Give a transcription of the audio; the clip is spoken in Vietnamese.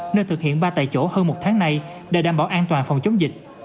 nên thực hiện ba tại chỗ hơn một tháng nay để đảm bảo an toàn phòng chống dịch